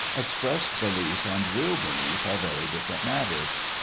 Expressed belief and real belief are very different matters.